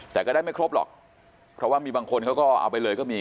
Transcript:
แต่ก็ได้ไม่ครบหรอกเพราะว่ามีบางคนเขาก็เอาไปเลยก็มี